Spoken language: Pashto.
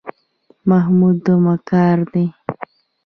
محمود مکار دی.